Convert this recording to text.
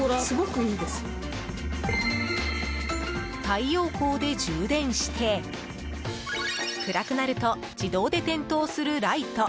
太陽光で充電して、暗くなると自動で点灯するライト。